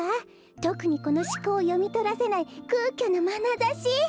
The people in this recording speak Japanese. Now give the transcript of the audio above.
とくにこのしこうをよみとらせないくうきょなまなざし。